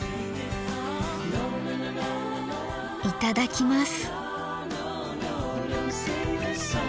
いただきます。